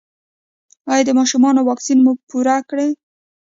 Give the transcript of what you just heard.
ایا د ماشومانو واکسین مو پوره کړی؟